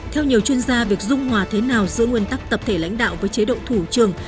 theo nhiều chuyên gia việc dung hòa thế nào giữa nguyên tắc tập thể lãnh đạo với chế độ thủ trường